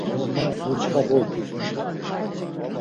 Ma mutxa bogni….